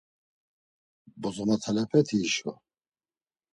Bozomotalepeti hişo.